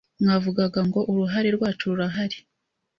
mwavugaga ngo uruhare rwacu rurahari